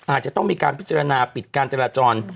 อาจจะต้องมีการพิจารณาปิดการจราจร